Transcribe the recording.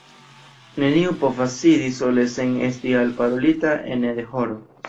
Neniu povas sidi sole sen esti alparolita ene de horo.